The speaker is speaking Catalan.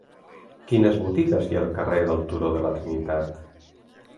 Quines botigues hi ha al carrer del Turó de la Trinitat?